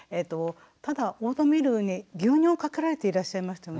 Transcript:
ただオートミールに牛乳をかけられていらっしゃいましたよね。